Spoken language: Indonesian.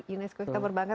unesco kita berbangga